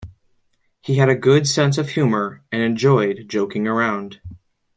He had a good sense of humor and enjoyed joking around.